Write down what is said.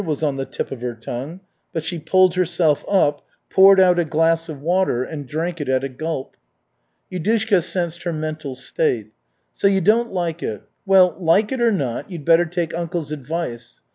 was on the tip of her tongue, but she pulled herself up, poured out a glass of water, and drank it at a gulp. Yudushka sensed her mental state. "So, you don't like it? Well, like it or not, you'd better take uncle's advice.